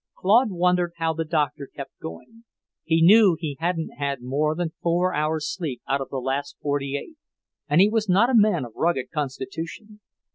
Claude wondered how the Doctor kept going. He knew he hadn't had more than four hours sleep out of the last forty eight, and he was not a man of rugged constitution.